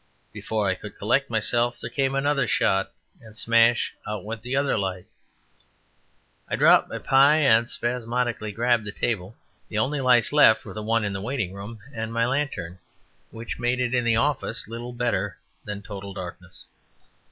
Before I could collect myself there came another shot and smash out went the other light. I dropped my pie and spasmodically grasped the table. The only lights left were the one in the waiting room and my lantern, which made it in the office little better than total darkness.